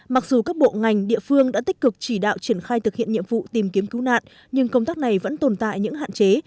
mặc dù các bộ ngành địa phương đã tích cực chỉ đạo triển khai thực hiện nhiệm vụ tìm kiếm cứu nạn nhưng công tác này vẫn tồn tại những hạn chế